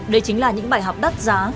đây chính là những bài học đắt giá